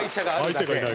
相手がいないから。